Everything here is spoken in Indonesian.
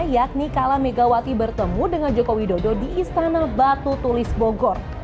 yakni kala megawati bertemu dengan joko widodo di istana batu tulis bogor